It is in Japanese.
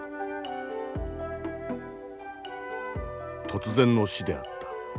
突然の死であった。